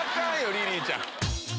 リリーちゃん。